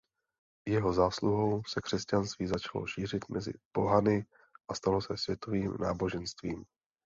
Jeho zásluhou se křesťanství začalo šířit mezi pohany a stalo se světovým náboženstvím.